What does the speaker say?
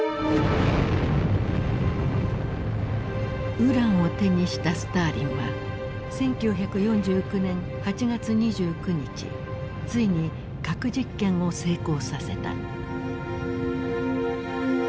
ウランを手にしたスターリンは１９４９年８月２９日ついに核実験を成功させた。